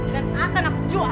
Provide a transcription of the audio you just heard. dan akan aku jual